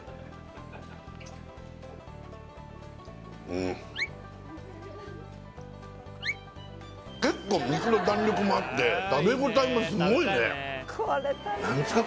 うん結構肉の弾力もあって食べ応えがすごいね何ですか？